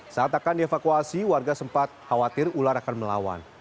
saat akan dievakuasi warga sempat khawatir ular akan melawan